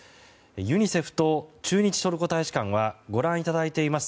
ユニセフと駐日トルコ大使館はご覧いただいています